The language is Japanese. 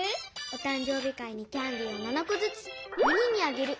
「おたん生日会にキャンディーを７こずつ４人にあげる。